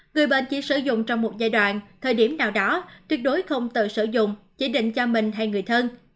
người bệnh chỉ sử dụng trong một giai đoạn thời điểm nào đó tuyệt đối không tự sử dụng chỉ định cho mình hay người thân